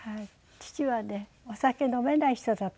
父はねお酒飲めない人だったんです。